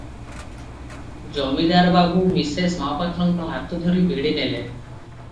ଜମିଦାର ବାବୁ ମିସେସ୍ ମହାପାତ୍ରଙ୍କ ହାତ ଧରି ଭିଡ଼ି ନେଲେ ।